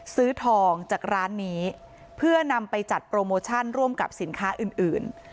ซื้อทองจากร้านนี้เพื่อนำไปจัดโปรโมชั่นร่วมกับสินค้าอื่นอื่น